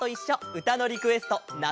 うたのリクエスト夏